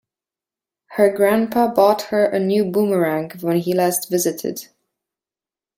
Her grandpa bought her a new boomerang when he last visited.